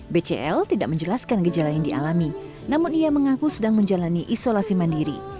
bcl tidak menjelaskan gejala yang dialami namun ia mengaku sedang menjalani isolasi mandiri